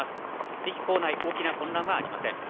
駅構内、大きな混乱はありません。